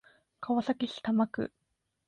川崎市多摩区